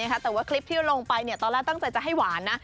แต่ว่าคลิปที่ลงไปตอนแรกตั้งใจจะให้หวานนะ